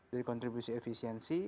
jadi kontribusi efisiensi